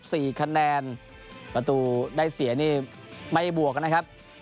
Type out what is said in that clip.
สี่คะแนนประตูได้เสียนี่ไม่บวกนะครับ